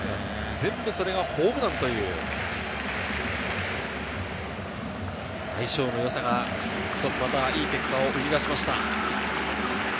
全部それがホームランという相性のよさが一つ、いい結果を生み出しました。